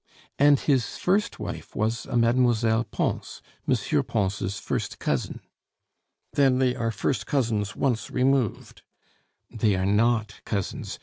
"And his first wife was a Mlle. Pons, M. Pons' first cousin." "Then they are first cousins once removed " "They are 'not cousins.